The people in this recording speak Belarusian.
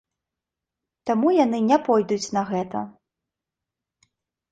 Таму яны не пойдуць на гэта.